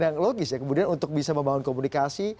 yang logis ya kemudian untuk bisa membangun komunikasi